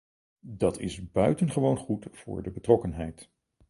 Dat is buitengewoon goed voor de betrokkenheid.